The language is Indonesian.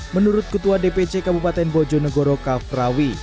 menurut ketua dpc kabupaten bojonegoro kavrawi